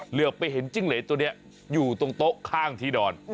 เหลือไปเห็นจิ้งเหรนตัวนี้อยู่ตรงโต๊ะข้างที่นอน